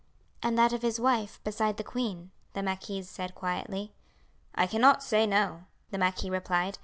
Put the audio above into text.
"And that of his wife beside the queen," the marquise said quietly. "I cannot say no," the marquis replied.